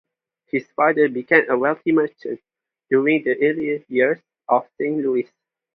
His father became a wealthy merchant, during the early years of Saint Louis.